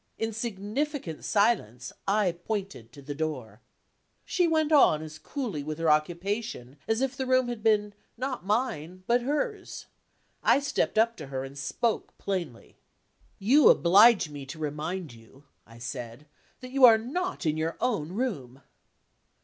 In significant silence I pointed to the door. She went on as coolly with her occupation as if the room had been, not mine but hers; I stepped up to her, and spoke plainly. "You oblige me to remind you," I said, "that you are not in your own room."